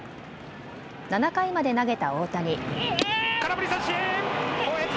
７回まで投げた大谷。